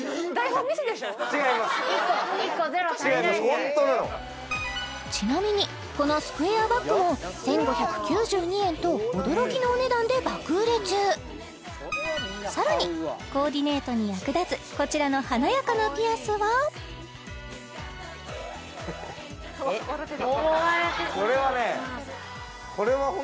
ホントなのちなみにこのスクエアバッグも１５９２円と驚きのお値段で爆売れ中さらにコーディネートに役立つこちらの華やかなピアスはこれはね